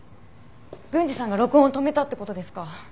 郡司さんが録音を止めたって事ですか？